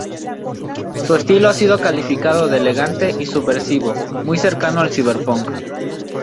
Su estilo ha sido calificado de elegante y subversivo, muy cercano al "ciberpunk".